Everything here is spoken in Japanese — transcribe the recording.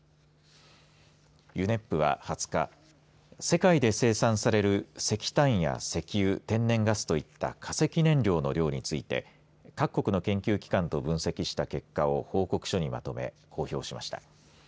ＵＮＥＰは２０日世界で生産される石炭や石油、天然ガスといった化石燃料の量について各国の研究機関と分析した結果を報告書にまとめ公表しました。